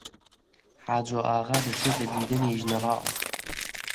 حاجۆ ئاغا دەچێتە دیدەنی ژنەراڵ